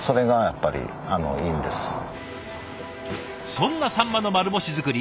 そんなサンマの丸干し作り